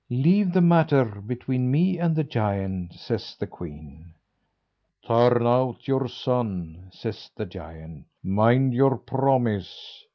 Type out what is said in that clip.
"Leave the matter between me and the giant," says the queen. "Turn out your son," says the giant; "mind your promise."